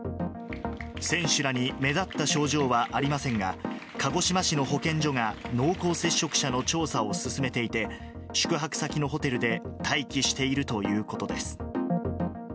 選手らに目立った症状はありませんが、鹿児島市の保健所が濃厚接触者の調査を進めていて、宿泊先のホテルで待機しているということです。